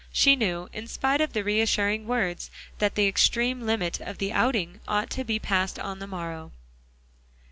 She knew in spite of the reassuring words that the extreme limit of the "outing" ought to be passed on the morrow.